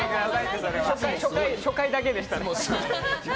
初回だけでしたね。